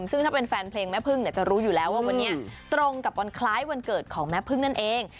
ซึ่งถ้าเป็นแฟนเพลงแม่พึ่งจะรู้อยู่แล้วว่าวันนี้ตรงกับวันคล้ายวันเกิดของแม่พึ่งนั่นเอง